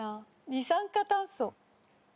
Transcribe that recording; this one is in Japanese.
二酸化炭素。